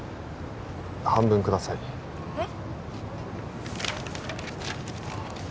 半分くださいえっ？